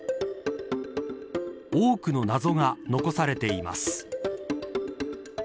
多くの謎が残されています。